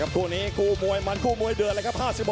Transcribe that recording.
คู่นี้คู่มวยมันคู่มวยเดือดเลยครับ